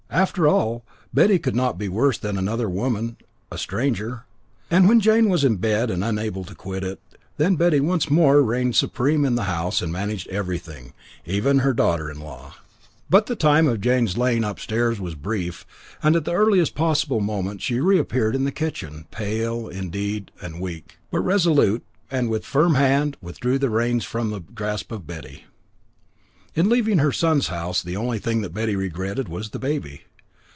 After all, Betty could not be worse than another woman, a stranger. And when Jane was in bed, and unable to quit it, then Betty once more reigned supreme in the house and managed everything even her daughter in law. But the time of Jane's lying upstairs was brief, and at the earliest possible moment she reappeared in the kitchen, pale indeed and weak, but resolute, and with firm hand withdrew the reins from the grasp of Betty. In leaving her son's house, the only thing that Betty regretted was the baby.